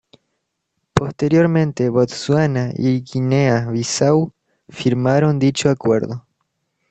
Posteriormente Botsuana y Guinea-Bisáu firmaron dicho acuerdo.